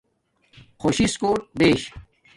خوش سس کوٹ بیش